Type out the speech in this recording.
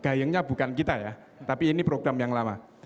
gayengnya bukan kita ya tapi ini program yang lama